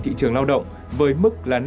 thị trường lao động với mức là